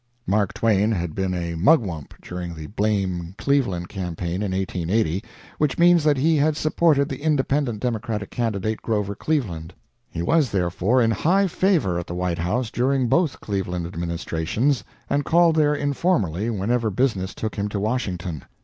'" Mark Twain had been a "mugwump" during the Blame Cleveland campaign in 1880, which means that he had supported the independent Democratic candidate, Grover Cleveland. He was, therefore, in high favor at the White House during both Cleveland administrations, and called there informally whenever business took him to Washington.